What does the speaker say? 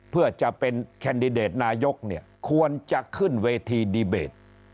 เพื่อจะเป็นแคนดิเดตนายกเนี่ยควรจะขึ้นเวทีดีเบต